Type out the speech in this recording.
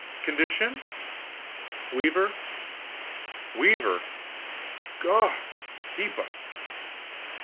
Condition?" "Weaver." "Weaver! God keep us!"